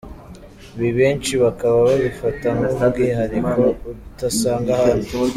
Ibi benshi bakaba babifata nk’umwihariko utasanga handi.